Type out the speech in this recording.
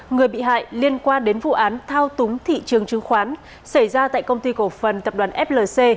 người bị hại liên quan đến vụ án thao túng thị trường chứng khoán xảy ra tại công ty cổ phần tập đoàn flc